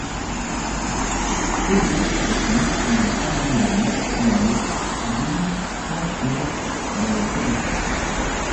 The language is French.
Toby et son épouse Amanda McKeehan vivent à Franklin dans le Tennessee.